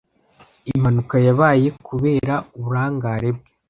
Impanuka yabaye kubera uburangare bwe.